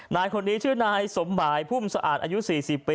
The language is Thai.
นี่คนนี้ชื่อนายสำหายภูมิสะอาดอายุ๔๐ปี